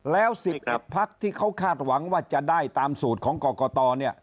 แล้ว๑๑พักที่เขาคาดหวังว่าจะได้ตามสูตรของกรกต